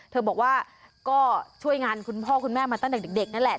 เธอบอกว่าก็ช่วยงานคุณพ่อคุณแม่มาตั้งแต่เด็กนั่นแหละ